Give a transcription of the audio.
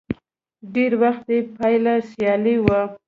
ډېری وخت يې پايله سیالي وي.